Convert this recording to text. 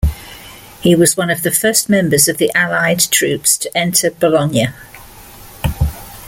He was one of the first members of the Allied troops to enter Bologna.